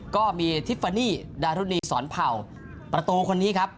ก็มีทิฟฟานีดารุณีสอนเผ่าประตูคนนี้ครับ